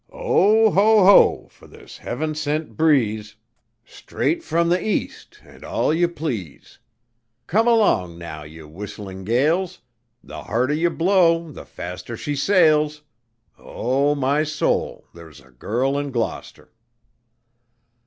O ho ho for this heaven sent breeze, Straight from the east and all you please! Come along now, ye whistling gales, The harder ye blow the faster she sails O my soul, there's a girl in Gloucester!"